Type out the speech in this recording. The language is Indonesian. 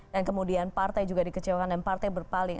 dan kemudian partai juga dikecewakan dan partai berpaling